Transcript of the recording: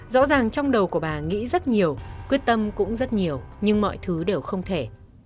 rõ ràng trong đầu của bà nghĩ rất nhiều quyết tâm cũng rất nhiều nhưng mọi thứ đều không thể